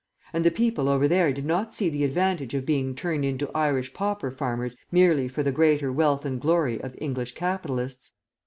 And the people over there did not see the advantage of being turned into Irish pauper farmers merely for the greater wealth and glory of English capitalists.